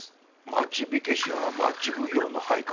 町火消しは町奉行の配下でしたな。